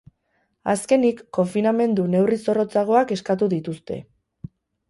Azkenik, konfinamendu neurri zorrotzagoak eskatu dituzte.